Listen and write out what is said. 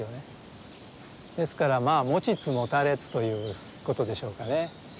ですからまあ持ちつ持たれつということでしょうかね。